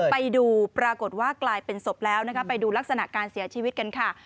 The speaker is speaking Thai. ไปดูปรากฏว่ากลายเป็นศพแล้วนะคะไปดูลักษณะการเสียชีวิตกันค่ะ